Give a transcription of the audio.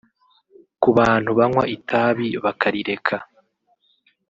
ku bantu banywa itabi bakarireka